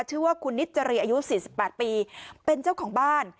ชื่อว่าคุณนิจรีอายุ๔๘ปีเป็นเจ้าของบ้าน